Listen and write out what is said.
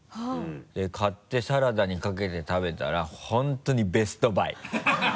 で買ってサラダにかけて食べたら本当にベストバイ。